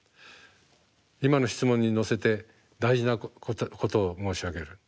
今の質問にのせて大事なことを申し上げる。